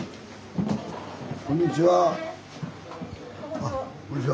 あっこんにちは。